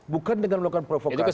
bukan dengan melakukan provokasi